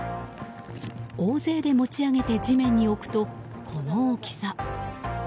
大勢で持ち上げて地面に置くとこの大きさ。